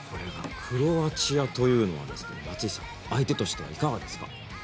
クロアチアというのは松井さん相手としてはいかがですか。